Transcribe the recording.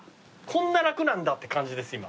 こんな楽なんだって感じです今。